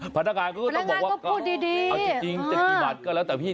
พนักงานก็ต้องบอกว่าก็ดีเอาจริงจะกี่บาทก็แล้วแต่พี่